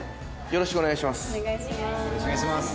よろしくお願いします。